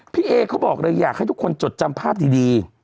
พี่เอเขาบอกเลยอยากให้ทุกคนจดจำภาพดี